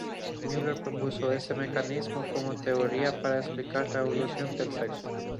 Muller propuso este mecanismo como teoría para explicar la evolución del sexo.